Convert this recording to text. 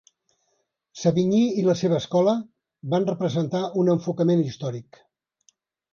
Savigny i la seva escola van representar un enfocament històric.